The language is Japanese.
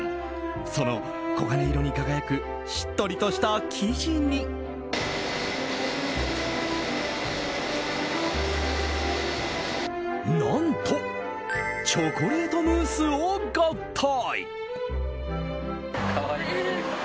その黄金色に輝くしっとりとした生地に何と、チョコレートムースを合体。